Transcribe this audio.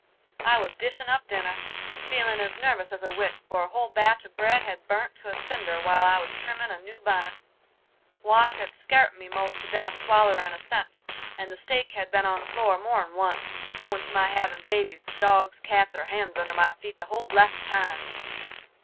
I was dishin' up dinner, feelin' as nervous as a witch, for a whole batch of bread had burnt to a cinder while I was trimmin' a new bunnet, Wash had scart me most to death swallerin' a cent, and the steak had been on the floor more'n once, owin' to my havin' babies, dogs, cats, or hens under my feet the whole blessed time.